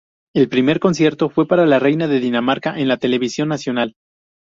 El primer concierto fue para la reina de Dinamarca en la televisión nacional.